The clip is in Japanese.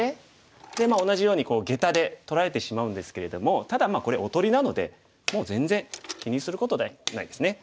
で同じようにゲタで取られてしまうんですけれどもただこれおとりなのでもう全然気にすることないですね。